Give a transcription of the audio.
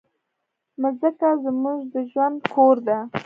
مځکه زموږ د ژوند کور ده.